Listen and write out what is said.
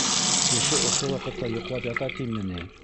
Кеше ошо ваҡытта йоҡлап ята тиме ни?